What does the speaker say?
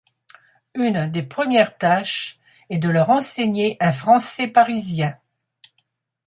Une des premières tâches est de leur enseigner un français parisien.